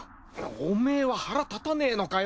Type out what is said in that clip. おめえは腹立たねえのかよ。